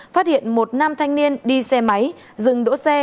phát hiện một nam thanh niên đi xe máy dừng đỗ xe